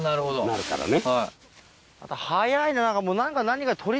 なるからね。